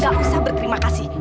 gak usah berterima kasih